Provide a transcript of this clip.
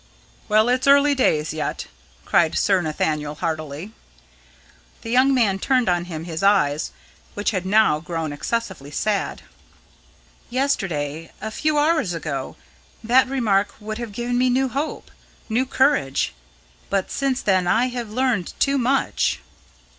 "Well, it's early days yet!" cried Sir Nathaniel heartily. The young man turned on him his eyes, which had now grown excessively sad. "Yesterday a few hours ago that remark would have given me new hope new courage; but since then I have learned too much."